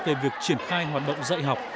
về việc triển khai hoạt động dạy học